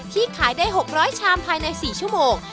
ขายได้๖๐๐ชามภายใน๔ชั่วโมง